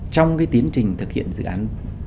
trong cái tiến trình thực hiện dự án